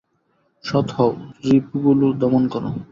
সৎ হও, রিপুগুলি দমন কর।